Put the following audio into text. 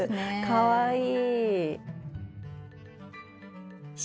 かわいい！